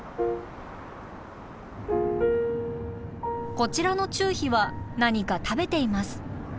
こちらのチュウヒは何か食べています。